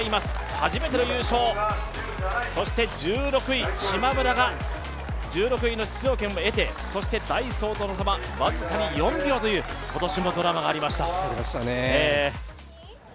初めての優勝、そして１６位、しまむらが出場権を得てそしてダイソーは僅かに４秒という今年もドラマがありましたね。